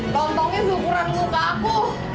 tontonnya guguran luka aku